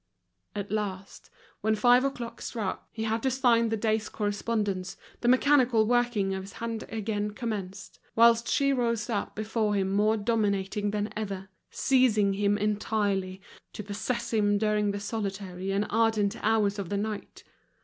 At last, when five o'clock struck, he had to sign the day's correspondence, the mechanical working of his hand again commenced, whilst she rose up before him more dominating than ever, seizing him entirely, to possess him during the solitary and ardent hours of the night.